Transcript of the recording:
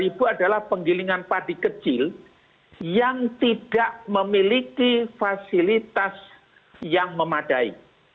rp satu ratus lima puluh dua adalah penggilingan padi kecil yang tidak memiliki fasilitas yang memadai